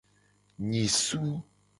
Nyisu.